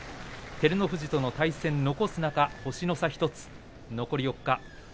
照ノ富士との対戦を残す中星の差１つ、残り４日。